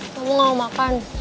kamu gak mau makan